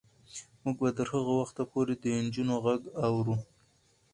موږ به تر هغه وخته پورې د نجونو غږ اورو.